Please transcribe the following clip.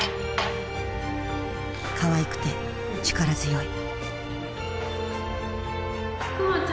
かわいくて力強い。